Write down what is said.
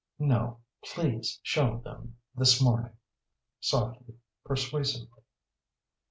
"No, please show them this morning," softly, persuasively.